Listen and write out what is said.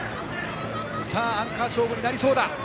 アンカー勝負になりそうだ。